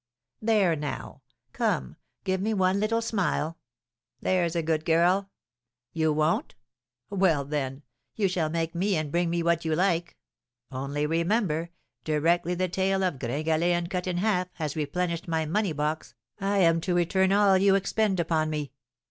There, now; come, give me one little smile, there's a good girl! You won't? Well, then, you shall make me and bring me what you like; only remember, directly the tale of 'Gringalet and Cut in Half' has replenished my money box, I am to return all you expend upon me.